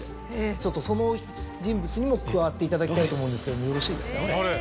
ちょっとその人物にも加わっていただきたいと思うんですけどよろしいですか？